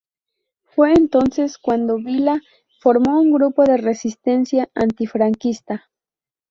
Fue entonces cuando Vila formó un grupo de resistencia antifranquista.